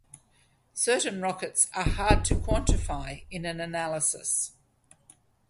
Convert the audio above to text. Certain rockets are hard to quantify in an analysis.